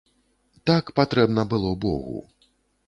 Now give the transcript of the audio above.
Так патрэбна было богу.